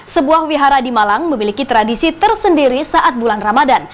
sebuah wihara di malang memiliki tradisi tersendiri saat bulan ramadan